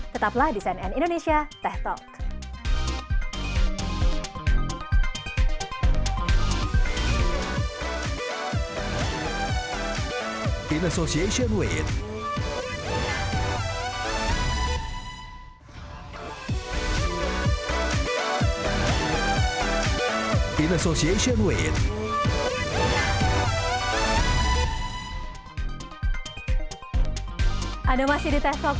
tetaplah di cnn indonesia tech talk